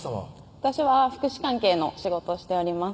私は福祉関係の仕事をしております